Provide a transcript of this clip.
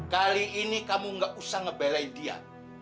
kali ini kamu gak usah ngebelain dia